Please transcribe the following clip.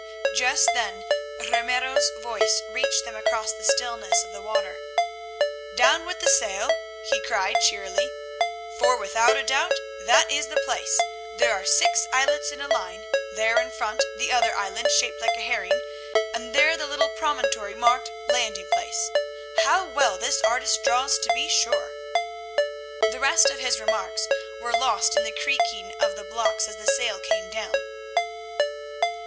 Just then Ramiro's voice reached them across the stillness of the water. "Down with the sail," he cried cheerily, "for without a doubt that is the place—there are the six islets in a line, there in front the other island shaped like a herring, and there the little promontory marked 'landing place.' How well this artist draws to be sure!" The rest of his remarks were lost in the creaking of the blocks as the sail came down.